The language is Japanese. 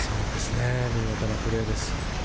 見事なプレーです。